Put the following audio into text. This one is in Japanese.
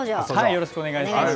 よろしくお願いします。